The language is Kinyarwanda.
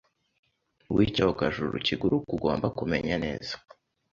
wicyogajuru kiguruka ugomba kumenya neza